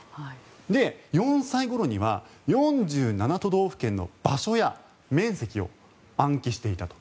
で、４歳ごろには４７都道府県の場所や面積を暗記していたと。